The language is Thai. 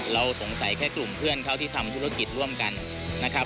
เราสงสัยแค่กลุ่มเพื่อนเขาที่ทำธุรกิจร่วมกันนะครับ